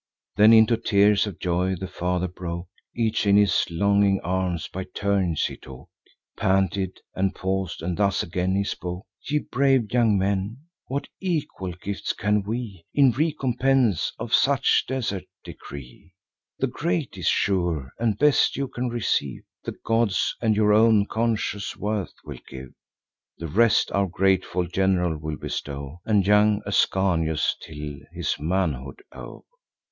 Then into tears of joy the father broke; Each in his longing arms by turns he took; Panted and paus'd; and thus again he spoke: "Ye brave young men, what equal gifts can we, In recompense of such desert, decree? The greatest, sure, and best you can receive, The gods and your own conscious worth will give. The rest our grateful gen'ral will bestow, And young Ascanius till his manhood owe."